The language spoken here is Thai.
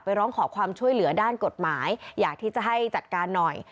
ร้องขอความช่วยเหลือด้านกฎหมายอยากที่จะให้จัดการหน่อย